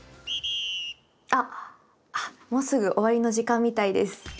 あっもうすぐ終わりの時間みたいです。